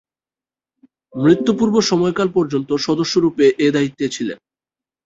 মৃত্যু-পূর্ব সময়কাল পর্যন্ত সদস্যরূপে এ দায়িত্বে ছিলেন।